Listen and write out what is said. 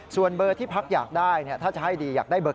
ส่วนเบอร์ที่พักอยากได้ถ้าจะให้ดีอยากได้เบอร์